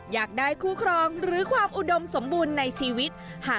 อยากได้คู่ครองหรือความอุดมสมบูรณ์ในชีวิต